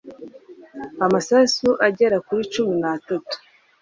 amasasu agera kuri cumi na tatu